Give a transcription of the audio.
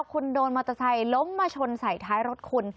คุณโดนมอเตอร์ไซค์ล้มมาชนใส่ท้ายรถคุณ